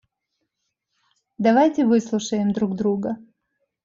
Давайте выслушаем друг друга.